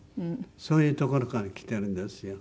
そういうところからきてるんですよ。